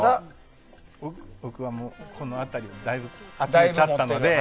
僕はこの辺りはだいぶ集めちゃったので。